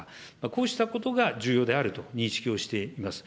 こうしたことが重要であると認識をしています。